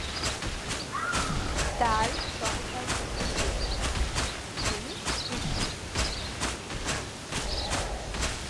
তার সহকারী সুব্রত, স্ত্রী কৃষ্ণা।